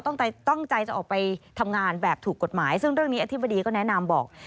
ตั้งใจจะออกไปทำงานแบบถูกกฎหมายซึ่งเรื่องนี้อธิบดีก็แนะนำบอก